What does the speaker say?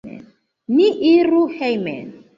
Ni iru hejmen!